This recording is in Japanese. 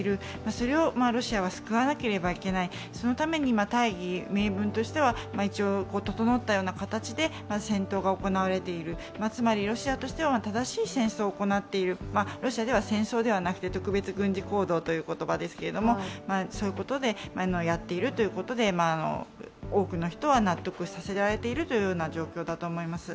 それをロシアは救わなければいけない、そのために大義名分としては一応整ったような形で戦闘が行われているつまり、ロシアとしては正しい戦争を行っている、ロシアでは戦争ではなくて特別軍事行動という言葉ですけれども、そういうことでやってるということで多くの人は納得させられている状況だと思います。